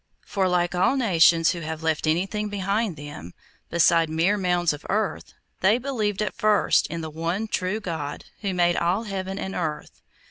For, like all nations who have left anything behind them, beside mere mounds of earth, they believed at first in the One True God who made all heaven and earth.